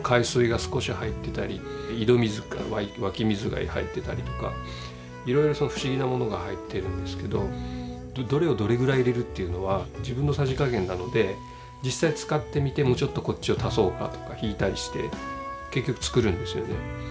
さび液の中身はですねいろいろ不思議なものが入っているんですけどどれをどれぐらい入れるっていうのは自分のさじ加減なので実際使ってみてもうちょっとこっちを足そうかとか引いたりして結局作るんですよね。